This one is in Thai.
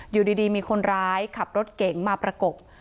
อยู่ดีมีคนร้ายขับรถเก๋งมาประกบ